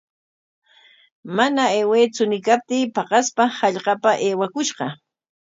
Mana aywaytsu ñiykaptii paqaspa hallqapa aywakushqa.